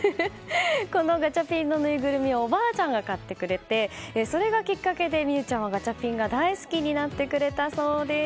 このガチャピンのぬいぐるみはおばあちゃんが買ってくれてそれがきっかけで海羽ちゃんはガチャピンが大好きになってくれたそうです。